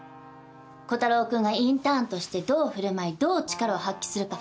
炬太郎くんがインターンとしてどう振る舞いどう力を発揮するか